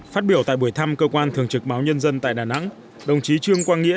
phát biểu tại buổi thăm cơ quan thường trực báo nhân dân tại đà nẵng đồng chí trương quang nghĩa